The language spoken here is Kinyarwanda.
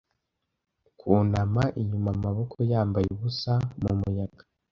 kwunama inyuma amaboko yambaye ubusa mumuyaga